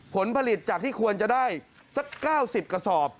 ผลผลิตจากที่ควรจะได้สัก๙๐กระสอบ